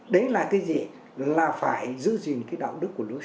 đấy là cái gì là phải giữ gìn cái đạo đức của nước